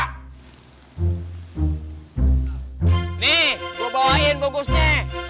nih gua bawain bungkusnya